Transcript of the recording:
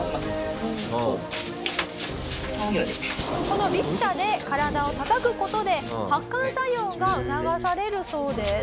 このヴィヒタで体をたたく事で発汗作用が促されるそうです。